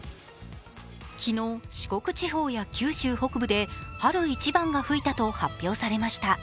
昨日、四国地方や九州北部で春一番が吹いたと発表されました。